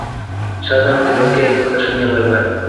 সাধারণত লোকে এ কথা শুনিয়া ভয় পায়।